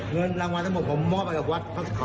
เงินรางวัลทั้งหมดผมมอบไปกับวัตรเขาก็ทองหมดเลย